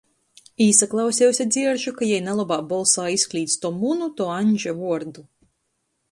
Īsaklausejuse dzieržu, ka jei nalobā bolsā izklīdz to munu, to Aņža vuordu.